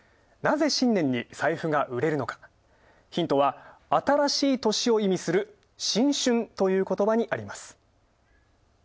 なぜ、新年に財布が売れるのか、ヒントは、新しい年を意味する新春という言葉にあります。